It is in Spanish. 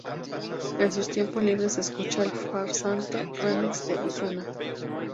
En sus tiempos libres escucha El Farsante Remix de Ozuna